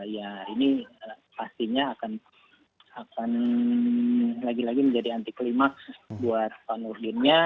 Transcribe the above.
ya ini pastinya akan lagi lagi menjadi anti klimak buat pak nurdinnya